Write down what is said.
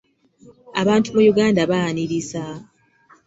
Abantu mu Uganda baaniriza.